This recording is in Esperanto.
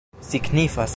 signifas